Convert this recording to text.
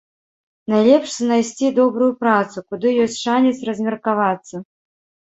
Найлепш знайсці добрую працу, куды ёсць шанец размеркавацца.